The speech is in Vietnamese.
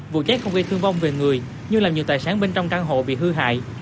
vụ cháy không gây thương vong về người nhưng làm nhiều tài sản bên trong căn hộ bị hư hại